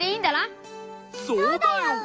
そうだよ！